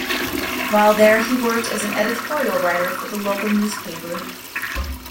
While there he worked as editorial writer for the local newspaper.